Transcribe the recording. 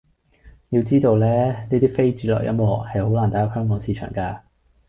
你要知道呢，啲非主流音樂，係好難打入香港市場㗎